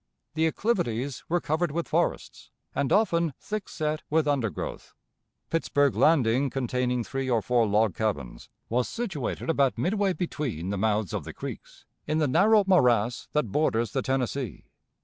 The acclivities were covered with forests, and often thick set with undergrowth. Pittsburg Landing, containing three or four log cabins, was situated about midway between the mouths of the creeks, in the narrow morass that borders the Tennessee.